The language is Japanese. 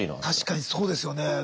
確かにそうですよね。